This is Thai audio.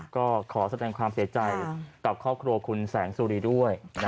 ก็ขอแสดงความเสียใจกับครอบครัวคุณแสงสุรีด้วย